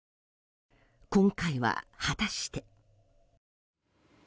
今回は果たして。